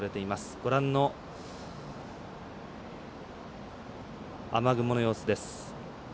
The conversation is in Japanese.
ご覧の雨雲の様子です。